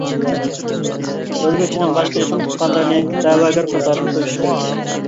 ئۆلگۈچىنىڭ باشقا يېقىن تۇغقانلىرىنى دەۋاگەر قاتارىغا قويۇش كېرەك.